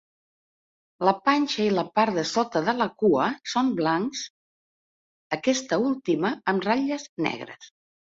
La panxa i la part de sota de la cua són blancs, aquesta última amb ratlles negres.